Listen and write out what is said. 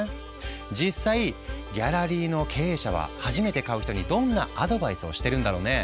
実際ギャラリーの経営者は初めて買う人にどんなアドバイスをしてるんだろうね。